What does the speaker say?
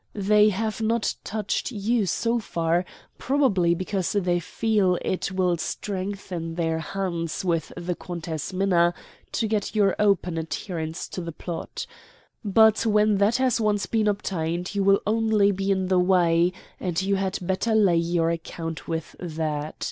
They have not touched you so far, probably because they feel it will strengthen their hands with the Countess Minna to get your open adherence to the plot. But when that has once been obtained, you will only be in the way, and you had better lay your account with that.